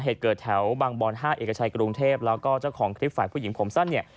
เหตุเกิดแถวบางบอน๕เอกชัยกรุงเทพแล้วก็เจ้าของคลิปฝ่ายผู้หญิงผมสั้นเนี่ย